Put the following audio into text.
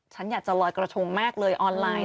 ฉันอยากจะลอยกระทงมากเลยออนไลน์